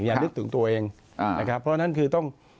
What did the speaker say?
นึกถึงตัวเองนะครับเพราะฉะนั้นคือต้อง